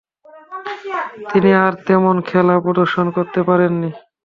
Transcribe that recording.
তিনি আর তেমন খেলা প্রদর্শন করতে পারেননি।